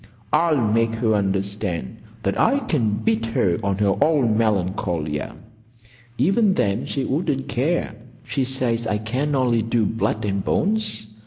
I'll make her understand that I can beat her on her own Melancolia. Even then she wouldn't care. She says I can only do blood and bones.